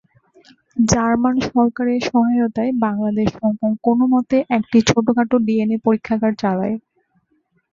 German সরকারের সহায়তায় বাংলাদেশ সরকার কোনো মতে একটি ছোটখাট ডিএনএ পরীক্ষাগার চালায়।